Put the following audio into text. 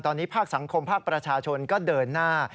ตอนนี้ภาคสังคมภาคประชาชนก็เดินหน้า